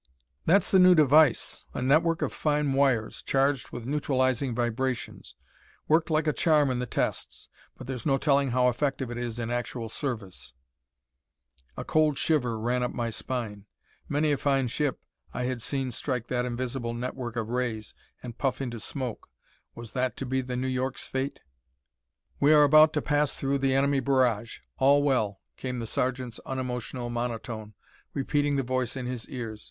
"That's the new device, a network of fine wires, charged with neutralising vibrations. Worked like a charm in the tests. But there's no telling how effective it is in actual service." A cold shiver ran up my spine. Many a fine ship I had seen strike that invisible network of rays, and puff into smoke. Was that to be the New York's fate? "We are about to pass through the enemy barrage. All well," came the sergeant's unemotional monotone, repeating the voice in his ears.